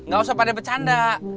gak usah pada bercanda